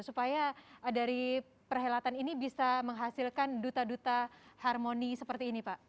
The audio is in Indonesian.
supaya dari perhelatan ini bisa menghasilkan duta duta harmoni seperti ini pak